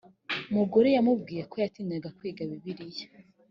mugore yamubwiye ko yatinyaga kwiga bibiliya